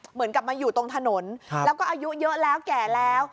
เหมือนกับมาอยู่ตรงถนนแล้วก็อายุเยอะแล้วแก่แล้ว